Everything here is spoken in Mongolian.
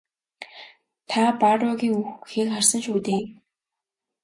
Та Барруагийн үхэхийг харсан шүү дээ?